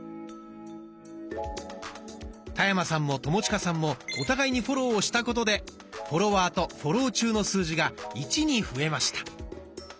田山さんも友近さんもお互いにフォローをしたことでフォロワーとフォロー中の数字が「１」に増えました。